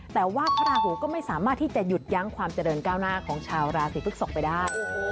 แต่ว่าพระราหูก็ไม่สามารถที่จะหยุดยั้งความเจริญก้าวหน้าของชาวราศีพฤกษกไปได้